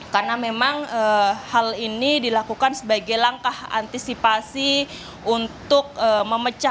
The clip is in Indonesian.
karena memang hal ini dilakukan sebagai langkah antisipasi untuk memecah